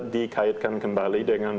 dikaitkan kembali dengan